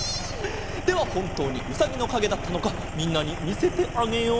ではほんとうにうさぎのかげだったのかみんなにみせてあげよう。